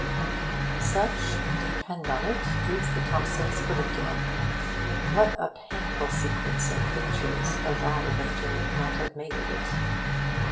Such, depend on it, is the Thompsons' curriculum. What a painful sequence of pictures a genre painter might have made of it!